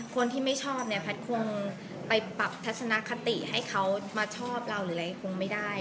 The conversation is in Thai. คนที่ไม่ชอบเนี่ยแพทย์คงไปปรับทัศนคติให้เขามาชอบเราหรืออะไรคงไม่ได้